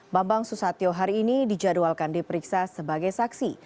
bambang susatyo hari ini dijadwalkan diperiksa sebagai saksi